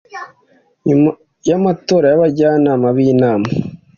nyuma y'amatora y'abajyanama b'inama